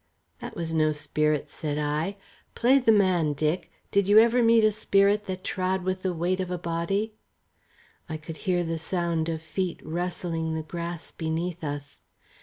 "That was no spirit," said I. "Play the man, Dick. Did you ever meet a spirit that trod with the weight of a body?" I could hear the sound of feet rustling the grass beneath us.